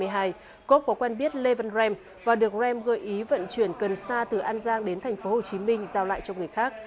jacob có quen biết lee van rem và được rem gợi ý vận chuyển cần xa từ an giang đến tp hcm giao lại cho người khác